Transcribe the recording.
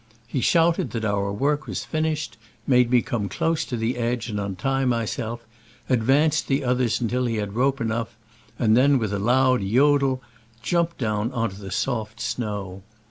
He shouted that our work was finished, made me come close to the edge and untie myself, advanced the others until he had rope enough, and then with a loud jodel jumped down on to soft snow.